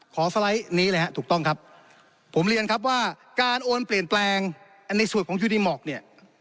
สไลด์นี้เลยฮะถูกต้องครับผมเรียนครับว่าการโอนเปลี่ยนแปลงในส่วนของยูดีหมอกเนี่ย